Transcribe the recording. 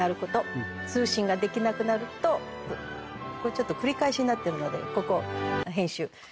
ちょっと繰り返しになってるので。